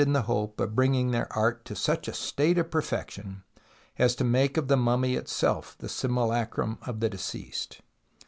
abandoned the hope of bringing their art to such a state of perfection as to make of the mummy itself the simulacrum of the deceased.